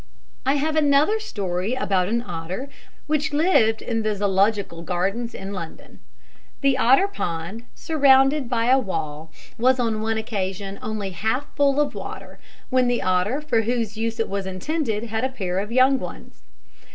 I have another story about an otter, which lived in the Zoological Gardens in London. The otter pond, surrounded by a wall, was on one occasion only half full of water, when the otter for whose use it was intended had a pair of young ones.